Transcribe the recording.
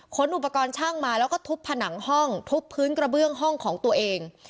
อุปกรณ์ช่างมาแล้วก็ทุบผนังห้องทุบพื้นกระเบื้องห้องของตัวเอง